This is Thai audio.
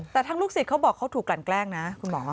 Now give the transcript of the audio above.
แต่ทั้งลูกศิษย์เขาบอกเขาถูกกลั่นแกล้งนะคุณหมอ